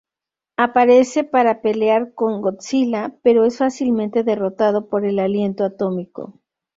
Aparece para pelear con Godzilla pero es fácilmente derrotado por el aliento atómico.